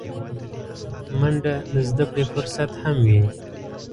منډه د زدهکړې فرصت هم وي